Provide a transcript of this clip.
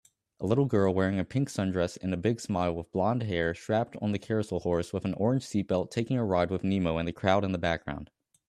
A little girl wearing a pink sundress and a big smile with blondhair strapped on the carousel horse with an orange seat belt taking a ride with Nemo and the crowd in the background